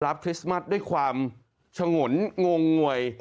รับคริสต์มัสด้วยความชะงนงง่วย